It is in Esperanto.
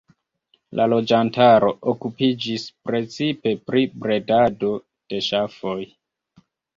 La loĝantaro okupiĝis precipe pri bredado de ŝafoj.